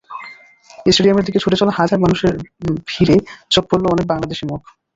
স্টেডিয়ামের দিকে ছুটে চলা হাজার মানুষের ভিড়ে চোখে পড়ল অনেক বাংলাদেশি মুখ।